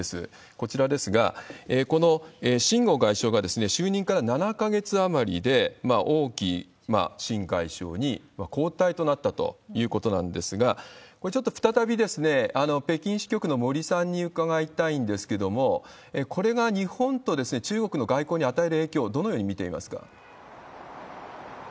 こちらですが、この秦剛外相が就任から７か月余りで王毅新外相に交代となったということなんですが、これ、ちょっと再び、北京支局の森さんに伺いたいんですけれども、これが日本と中国の外交に与える影響、どのように見ていますか？